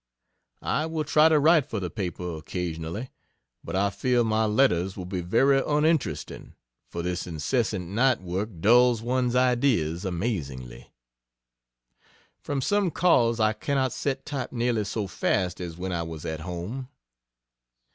I will try to write for the paper occasionally, but I fear my letters will be very uninteresting, for this incessant night work dulls one's ideas amazingly. From some cause, I cannot set type nearly so fast as when I was at home.